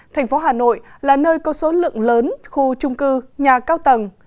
thành phố hà nội là nơi có số lượng lớn khu trung cư nhà cao tầng